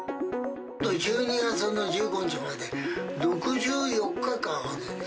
１２月の１５日まで６４日間ある。